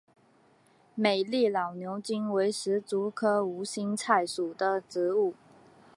美丽老牛筋为石竹科无心菜属的植物。